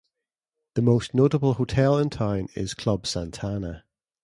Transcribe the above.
The most notable hotel in town is Club Santana.